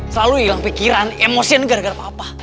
selalu hilang pikiran emosian gara gara papa